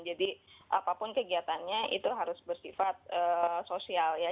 jadi apapun kegiatannya itu harus bersifat sosial ya